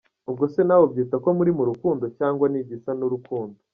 ubwose nawe ubyita ko muri mu rukundo cyangwa ni igisa n’urukundo?.